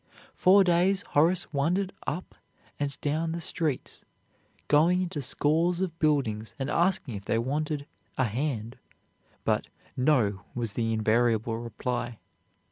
For days Horace wandered up and down the streets, going into scores of buildings and asking if they wanted "a hand"; but "no" was the invariable reply.